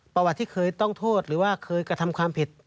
ประวัติที่เคยต้องโทษหรือว่าเคยกระทำความผิด